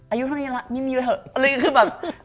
อายุเท่านี้แล้วมีเมียเถอะ